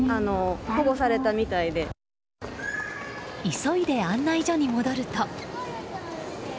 急いで案内所に戻ると。